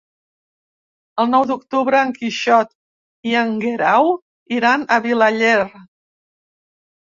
El nou d'octubre en Quixot i en Guerau iran a Vilaller.